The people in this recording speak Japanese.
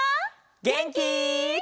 げんき？